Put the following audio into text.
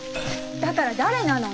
だから誰なの！？